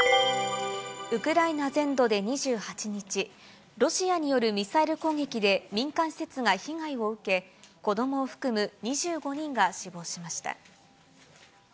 ウクライナ全土で２８日、ロシアによるミサイル攻撃で民間施設が被害を受け、子どもを含む２５人が死亡しました。